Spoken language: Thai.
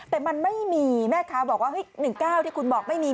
แต่มันไม่มีแม่ค้าบอกว่า๑๙ที่คุณบอกไม่มี